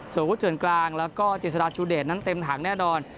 สูงพุทธเวือนกลางแล้วก็จิสราชุเดชนั้นเต็มถังแน่นอน